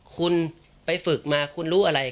คุณไปฝึกมาคุณรู้อะไร